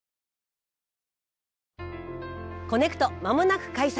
「コネクトまもなく開催！